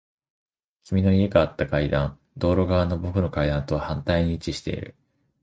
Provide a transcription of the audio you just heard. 君の家があった階段。道路側の僕の階段とは反対に位置している。